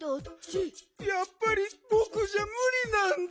やっぱりぼくじゃむりなんだ。